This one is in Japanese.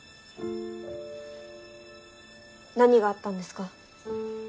何があったんですか？